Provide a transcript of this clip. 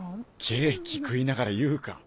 ケーキ食いながら言うか？